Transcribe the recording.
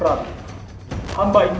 ada apa ini